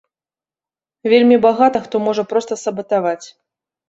Вельмі багата хто можа проста сабатаваць.